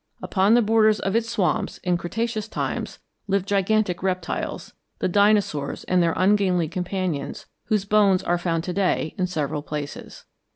Upon the borders of its swamps, in Cretaceous times, lived gigantic reptiles, the Dinosaurs and their ungainly companions whose bones are found to day in several places.